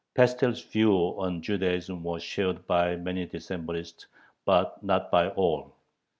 Pestel's views on Judaism were shared by many Decembrists, but not by all.